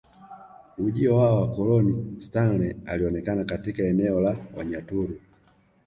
Ujio wa wakoloni Stanley alionekana katika eneo la Wanyaturu